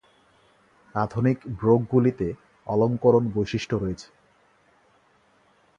আধুনিক ব্রোগগুলিতে অলঙ্করণ বৈশিষ্ট্য রয়েছে।